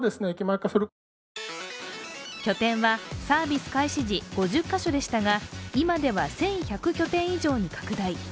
拠点はサービス開始時、５０カ所でしたが今では１１００拠点以上に拡大。